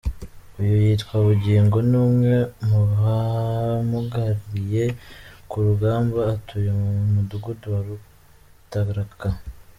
Uyu yitwa Bugingo, ni umwe mu bamugariye ku rugamba utuye mu mudugudu wa Rutaraka.